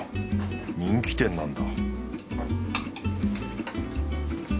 人気店なんだ